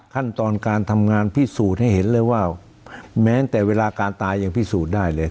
ขั้นตอนการทำงานพิสูจน์ให้เห็นเลยว่าแม้แต่เวลาการตายยังพิสูจน์ได้เลย